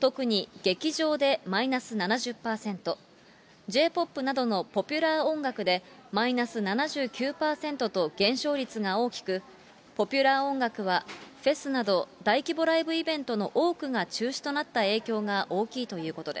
特に劇場でマイナス７０％、Ｊ−ＰＯＰなどのポピュラー音楽でマイナス７９％と、減少率が大きく、ポピュラー音楽は、フェスなど、大規模ライブイベントの多くが中止となった影響が大きいということです。